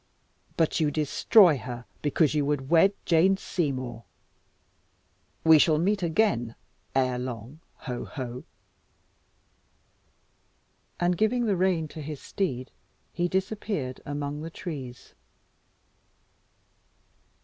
But you destroy her because you would wed Jane Seymour! We shall meet again ere long ho! ho! ho!" And giving the rein to his steed, he disappeared among the trees.